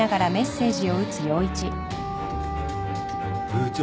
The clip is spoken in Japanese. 部長